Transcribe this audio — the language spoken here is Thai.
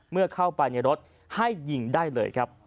เมื่อเข้าไปในรถให้ยิงได้เลยครับ